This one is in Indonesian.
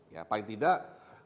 ya paling tidak